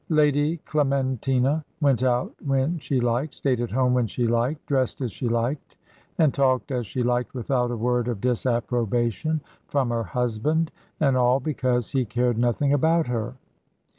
Lady Clementina went out when she liked, stayed at home when she liked, dressed as she liked, and talked as she liked without a word of disapprobation from her husband, and all because he cared nothing about her.